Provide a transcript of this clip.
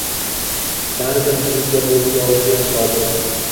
Baribir tilingga bo‘lolgin sobir.